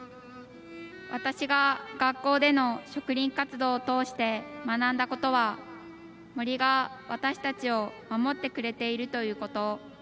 私が学校での植林活動を通して学んだことは森が私たちを守ってくれているということ。